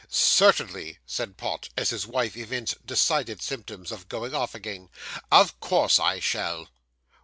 'Certainly,' said Pott, as his wife evinced decided symptoms of going off again. 'Of course I shall.